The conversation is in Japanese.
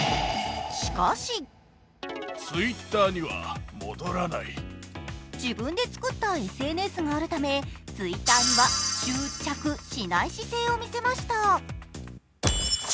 しかし自分で作ったＳＮＳがあるためＴｗｉｔｔｅｒには執着しない姿勢を見せました。